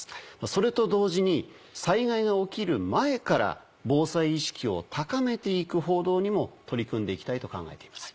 それと同時に災害が起きる前から防災意識を高めていく報道にも取り組んでいきたいと考えています。